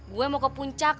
gue mau ke puncak